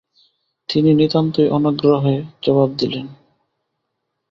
তিনি নিতান্তই অনাগ্রহে জবাব দিলেন।